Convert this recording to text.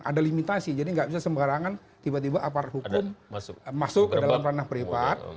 ada limitasi jadi nggak bisa sembarangan tiba tiba aparat hukum masuk ke dalam ranah pribadi